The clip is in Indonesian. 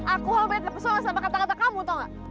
aku hal percaya terserah sama kata kata kamu tau gak